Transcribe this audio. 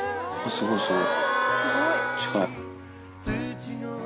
すごい、すごい。